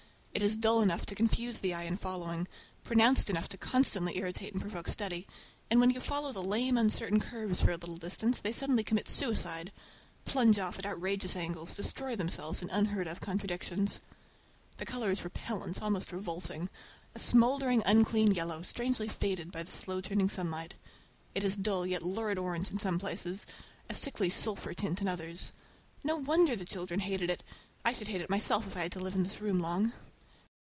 It is dull enough to confuse the eye in following, pronounced enough to constantly irritate, and provoke study, and when you follow the lame, uncertain curves for a little distance they suddenly commit suicide—plunge off at outrageous angles, destroy themselves in unheard of contradictions. The color is repellant, almost revolting; a smouldering, unclean yellow, strangely faded by the slow turning sunlight. It is a dull yet lurid orange in some places, a sickly sulphur tint in others. No wonder the children hated it! I should hate it myself if I had to live in this room long.